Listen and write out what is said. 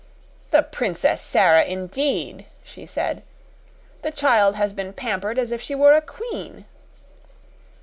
"The Princess Sara, indeed!" she said. "The child has been pampered as if she were a QUEEN."